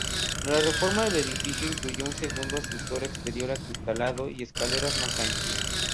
La reforma del edificio incluyó un segundo ascensor exterior acristalado y escaleras más amplias.